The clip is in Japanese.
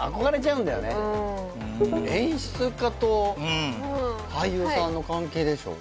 うん演出家と俳優さんの関係でしょ？